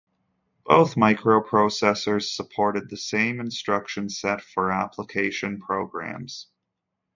Both microprocessors supported the same instruction set for application programs.